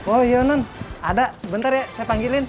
oh iya non ada sebentar ya saya panggilin